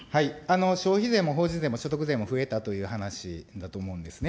消費税も法人税も所得税も増えたという話だと思うんですね。